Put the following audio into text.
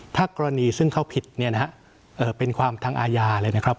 ถ้ากรณีซึ่งเขาผิดเป็นความทางอาญาเลยนะครับ